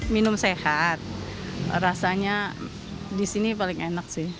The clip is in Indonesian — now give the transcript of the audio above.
minum sehat rasanya di sini paling enak sih